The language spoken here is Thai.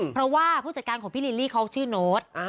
เพราะว่าผู้จัดการของพี่ลิลลี่เขาชื่อโน๊ต